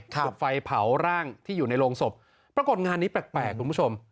จุดไฟเผาร่างที่อยู่ในโรงศพปรากฏงานนี้แปลกคุณผู้ชม